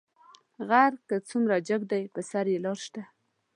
غر کۀ څومره جګ دى، پۀ سر يې لار شته.